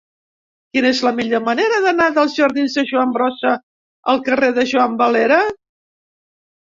Quina és la millor manera d'anar dels jardins de Joan Brossa al carrer de Juan Valera?